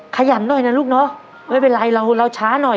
ขยันหน่อยนะลูกเนอะไม่เป็นไรเราเราช้าหน่อย